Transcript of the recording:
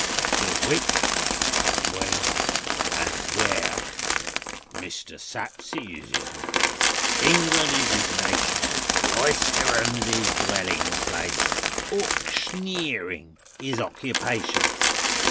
Until which, and when, and where, 'Mister Sapsea is his name, England is his nation, Cloisterham's his dwelling place, Aukshneer's his occupation.